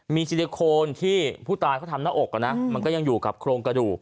มีซิลิโคนที่ผู้ตายเขาทำหน้าอก